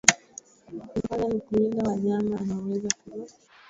na alichofanya ni kuwinda wanyama anaoweza kula